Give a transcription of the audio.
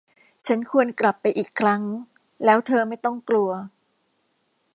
ฉันควรกลับไปอีกครั้ง แล้วเธอไม่ต้องกลัว